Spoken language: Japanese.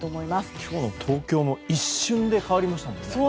今日の東京も一瞬で変わりましたもんね。